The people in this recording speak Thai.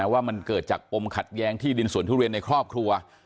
ว่ามันเกิดจากปมขัดแย้งที่ดินสวนทุเรียนในครอบครัว